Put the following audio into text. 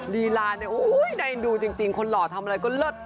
ลีลาเนี่ยได้ดูจริงคนหล่อทำอะไรก็เลิศ